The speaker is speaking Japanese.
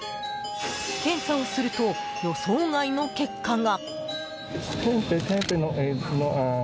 検査をすると、予想外の結果が。